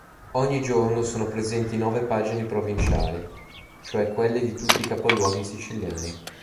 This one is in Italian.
Ogni giorno sono presenti nove pagine provinciali, cioè quelle di tutti i capoluoghi siciliani.